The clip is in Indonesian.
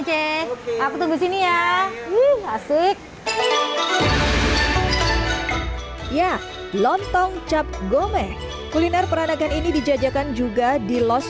oke aku tunggu sini ya asik ya lontong cap gome kuliner peranakan ini dijajakan juga di los